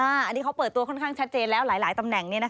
อันนี้เขาเปิดตัวค่อนข้างชัดเจนแล้วหลายตำแหน่ง